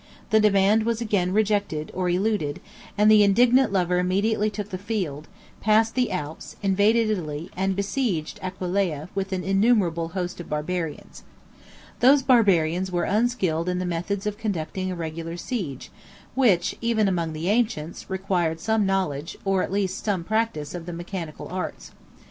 The demand was again rejected, or eluded; and the indignant lover immediately took the field, passed the Alps, invaded Italy, and besieged Aquileia with an innumerable host of Barbarians. Those Barbarians were unskilled in the methods of conducting a regular siege, which, even among the ancients, required some knowledge, or at least some practice, of the mechanic arts.